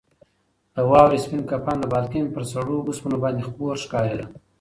د واورې سپین کفن د بالکن پر سړو اوسپنو باندې خپور ښکارېده.